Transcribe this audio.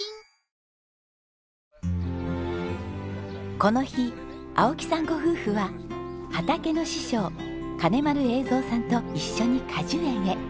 この日青木さんご夫婦は畑の師匠金丸栄三さんと一緒に果樹園へ。